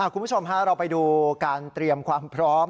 คุณผู้ชมเราไปดูการเตรียมความพร้อม